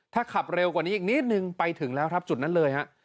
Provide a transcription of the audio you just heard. ถ้าขับเร็วกว่านี้อีกนิดนึงไปถึงแล้วครับจุดนั้นเลยฮะ